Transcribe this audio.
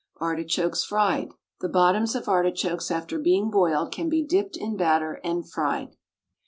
ARTICHOKES, FRIED. The bottoms of artichokes after being boiled can be dipped in batter and fried.